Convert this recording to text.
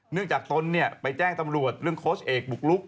เนื่องจากตนไปแจ้งสมาชิกตำรวจเรื่องโคลชเอกบุกลุก